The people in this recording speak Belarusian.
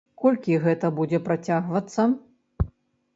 Колькі гэта будзе працягвацца?